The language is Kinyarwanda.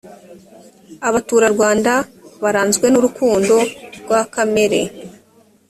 abaturarwanda baranzwe nurukundo rwakamere